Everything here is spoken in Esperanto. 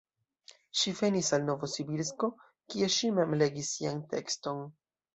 Ŝi venis al Novosibirsko, kie ŝi mem legis sian tekston.